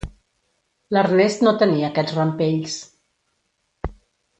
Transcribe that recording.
L'Ernest no tenia aquests rampells.